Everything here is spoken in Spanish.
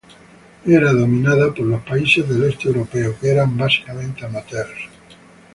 Era dominada por los países del este europeo, que eran básicamente amateurs.